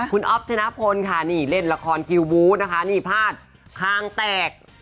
คุณออฟชนพลค่ะเล่นละครคิวบู๊นะคะนี่ภาษาคางแตก